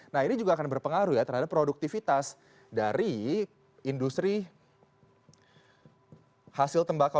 nah ini juga akan berpengaruh ya terhadap produktivitas dari industri hasil tembakau